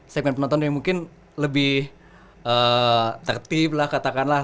segmen penonton yang mungkin lebih tertib lah katakanlah